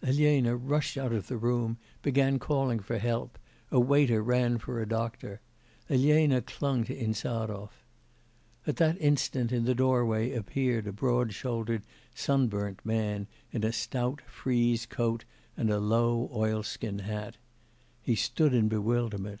Elena rushed out of the room, began calling for help; a waiter ran for a doctor. Elena clung to Insarov. At that instant in the doorway appeared a broad shouldered, sunburnt man, in a stout frieze coat and a low oil skin hat. He stood still in bewilderment.